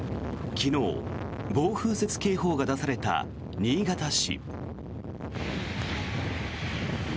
昨日、暴風雪警報が出された新潟市。